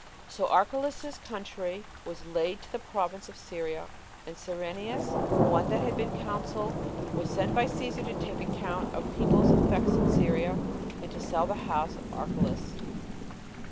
So Archelaus's country was laid to the province of Syria; and Cyrenius, one that had been consul, was sent by Cæsar to take account of people's effects in Syria, and to sell the house of Archelaus.